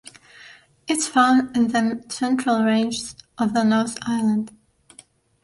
It is found in the Central Ranges of the North Island.